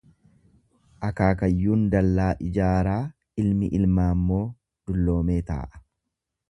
Akaakayyuun dallaa ijaaraa ilmi ilmaammoo dulloomee taa'a.